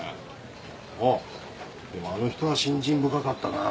あっでもあの人は信心深かったなぁ。